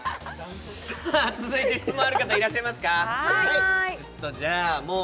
続いて質問ある方いらっしゃいますか。